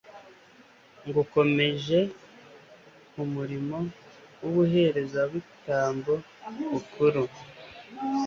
ngukomeje ku murimo w'ubuherezabitambo bukuru